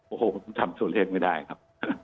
โอ้โหทำตัวเลขไม่ได้ครับ